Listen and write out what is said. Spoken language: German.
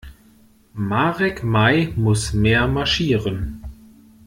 Marek Mai muss mehr marschieren.